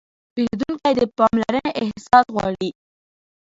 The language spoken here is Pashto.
پیرودونکی د پاملرنې احساس غواړي.